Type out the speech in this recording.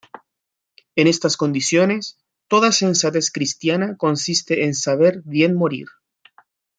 En estas condiciones, toda sensatez cristiana consiste en saber bien morir.